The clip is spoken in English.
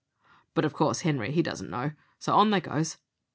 But of course Henery, he doesn't know, so on they goes.